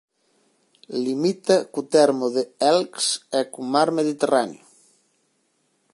Limita co termo de Elx e co mar Mediterráneo.